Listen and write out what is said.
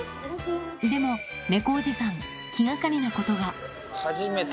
でも、猫おじさん、気がかりなことが。